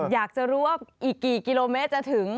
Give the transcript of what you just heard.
อยากจะรู้ว่าอีกกี่กิโลเมตรจะถึง